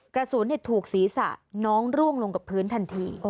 กระสุนถูกศีรษะน้องร่วงลงกับพื้นทันที